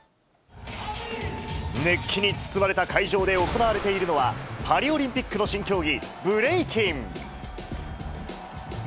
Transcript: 熱気に包まれた会場で行われているのは、パリオリンピックの新競技、ブレイキン。